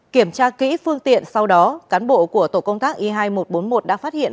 kiểm tra kỹ phương tiện sau đó cán bộ của tổ công tác y hai nghìn một trăm bốn mươi một đã phát hiện